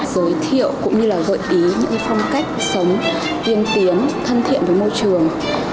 giới thiệu cũng như là gợi ý những phong cách sống tiên tiến thân thiện với môi trường